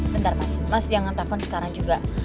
bentar mas mas jangan takut sekarang juga